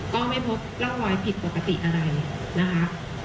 ก็ไม่พบร่องรอยผิดปกติอะไรนะคะ